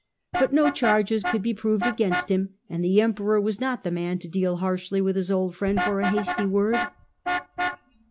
But no charges could be proved against him, and the Emperor was not the man to deal harshly with his old friend for a hasty word.